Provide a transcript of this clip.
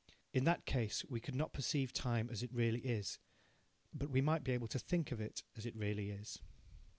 In that case we could not perceive time as it really is, but we might be able to think of it as it really is.